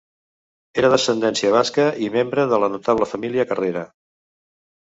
Era d'ascendència basca i membre de la notable família Carrera.